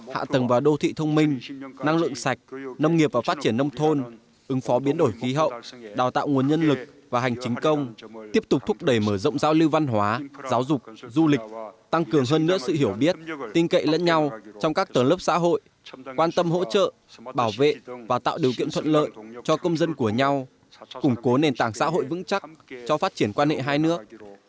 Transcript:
hạ tầng và đô thị thông minh năng lượng sạch nông nghiệp và phát triển nông thôn ứng phó biến đổi khí hậu đào tạo nguồn nhân lực và hành chính công tiếp tục thúc đẩy mở rộng giao lưu văn hóa giáo dục du lịch tăng cường hơn nữa sự hiểu biết tin cậy lẫn nhau trong các tờ lớp xã hội quan tâm hỗ trợ bảo vệ và tạo điều kiện thuận lợi cho công dân của nhau củng cố nền tảng xã hội vững chắc cho phát triển quan hệ hai nước